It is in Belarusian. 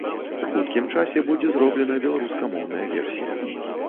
У хуткім часе будзе зроблена беларускамоўная версія.